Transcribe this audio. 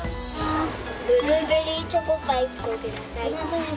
ブルーベリーチョコパンください。